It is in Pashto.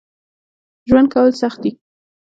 ژوند کول سخت دي